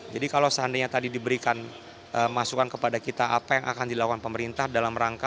jadi kalau seandainya tadi diberikan masukan kepada kita apa yang akan dilakukan pemerintah dalam rangka